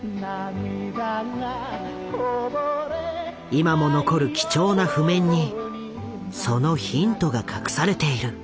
今も残る貴重な譜面にそのヒントが隠されている。